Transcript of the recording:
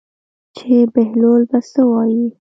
چې بهلول به څه وایي.